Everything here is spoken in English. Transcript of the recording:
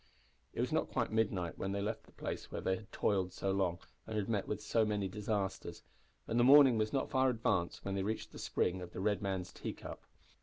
It was not quite midnight when they left the place where they had toiled so long, and had met with so many disasters, and the morning was not far advanced when they reached the spring of the Red Man's Teacup.